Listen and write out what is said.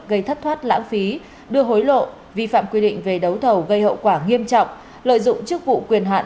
gây thất thoát lãng phí đưa hối lộ vi phạm quy định về đấu thầu gây hậu quả nghiêm trọng lợi dụng chức vụ quyền hạn